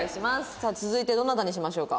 さあ続いてどなたにしましょうか？